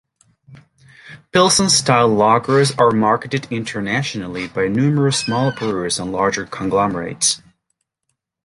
Pilsen style lagers are marketed internationally by numerous small brewers and larger conglomerates.